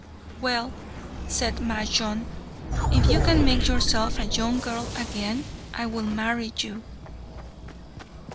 "Well," said Majnun, "if you can make yourself a young girl again, I will marry you."